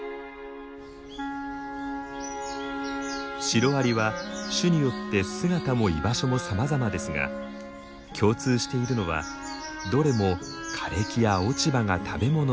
シロアリは種によって姿も居場所もさまざまですが共通しているのはどれも枯れ木や落ち葉が食べ物だということ。